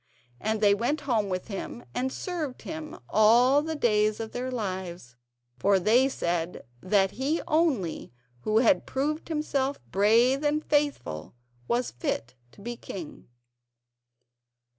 And they went home with him and served him all the days of their lives, for they said that he only who had proved himself brave and faithful was fit to be king.